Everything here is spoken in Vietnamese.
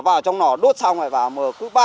vào trong đó đốt xong lại vào